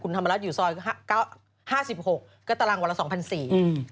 คุณธรรมรัฐอยู่ซอย๕๖ก็ตารางวันละ๒๔๐๐อืม